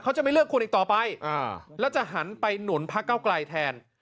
จะไม่เลือกคุณอีกต่อไปแล้วจะหันไปหนุนพักเก้าไกลแทน